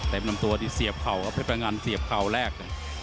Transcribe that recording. แต่เป็นลำตัวที่เสียบเข้าเพชรพังงานเสียบเข้าแรก